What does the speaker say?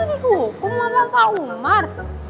dihukum sama pak umar